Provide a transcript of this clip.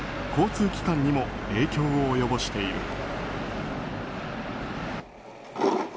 交通機関にも影響を及ぼしている。